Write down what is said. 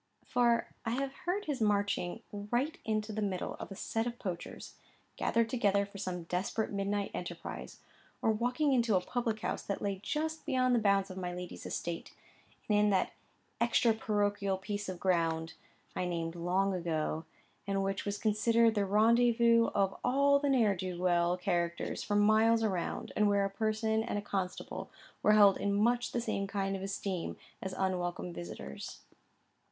For I have heard of his marching right into the middle of a set of poachers, gathered together for some desperate midnight enterprise, or walking into a public house that lay just beyond the bounds of my lady's estate, and in that extra parochial piece of ground I named long ago, and which was considered the rendezvous of all the ne'er do weel characters for miles round, and where a parson and a constable were held in much the same kind of esteem as unwelcome visitors.